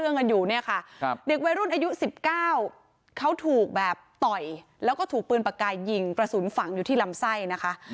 เด็กวัยรุ่นอายุ๑๙เขาหูแบบต่อยแล้วก็ถูกปืนปลากายยิงประสุนฝั่งอยู่ที่ลำไส้นะคะ